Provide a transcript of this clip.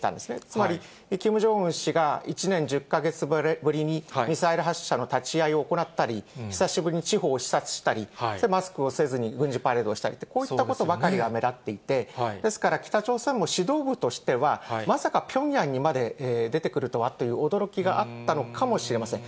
つまり、キム・ジョンウン氏が１年１０か月ぶりにミサイル発射の立ち会いを行ったり、久しぶりに地方を視察したり、マスクもせずに軍事パレードをしたりと、こういったことばかりが目立っていて、ですから、北朝鮮も指導部としては、まさかピョンヤンにまで出てくるとはという驚きがあったのかもしれません。